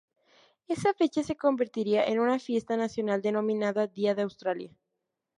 Esa fecha se convertiría en una fiesta nacional denominada Día de Australia.